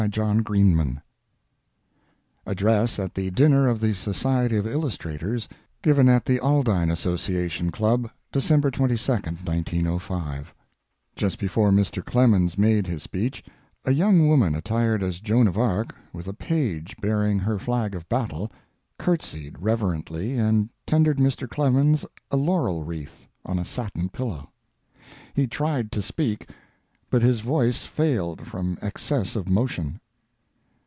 JOAN OF ARC ADDRESS AT THE DINNER OF THE SOCIETY OF ILLUSTRATORS, GIVEN AT THE ALDINE ASSOCIATION CLUB, DECEMBER 22, 1905 Just before Mr. Clemens made his speech, a young woman attired as Joan of Arc, with a page bearing her flag of battle, courtesied reverently and tendered Mr. Clemens a laurel wreath on a satin pillow. He tried to speak, but his voice failed from excess of emotion.